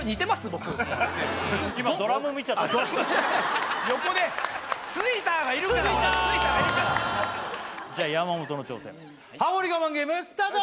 僕あっドラム横で「ついたー！」がいるから「ついたー！」がいるからじゃあ山本の挑戦ハモリ我慢ゲームスタート！